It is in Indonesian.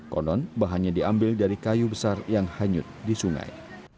konon bahannya diambil dari kayu besar yang hanyut di sungai